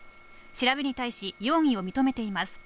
調べに対し容疑を認めています。